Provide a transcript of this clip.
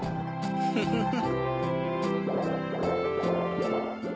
フフフ。